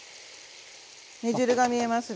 煮汁が見えますね。